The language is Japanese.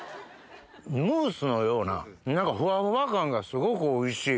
ムースのようなふわふわ感がすごくおいしい。